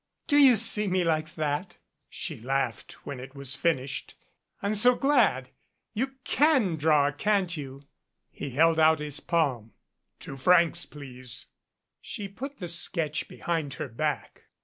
"Do you see me like that?" she laughed when it was finished. "I'm so glad. You can draw, can't you?" He held out his palm. "Two francs, please." She put the sketch behind her back.